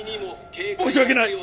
申し訳ない。